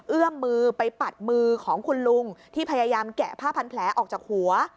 เอื้อมมือไปปัดมือของคุณลุงที่พยายามแกะผ้าพันแผลออกจากหัว